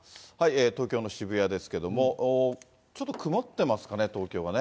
東京の渋谷ですけれども、ちょっと曇ってますかね、東京はね。